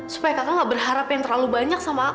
supaya kakak gak berharap yang terlalu banyak sama aku